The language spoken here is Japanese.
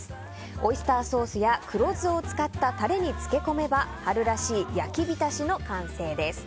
オイスターソースや黒酢を使ったタレに漬け込めば春らしい焼き浸しの完成です。